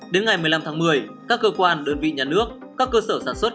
đến ngày một mươi năm tháng một mươi các cơ quan đơn vị nhà nước các cơ sở sản xuất